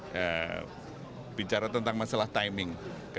jadi bicara tentang masalah timing